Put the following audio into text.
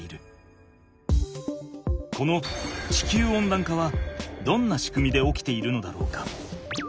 この地球温暖化はどんなしくみで起きているのだろうか？